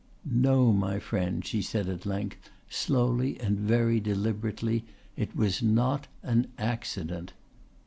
"No, my friend," she said at length, slowly and very deliberately. "It was not an accident."